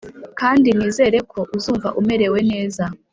kandi nizere ko uzumva umerewe neza!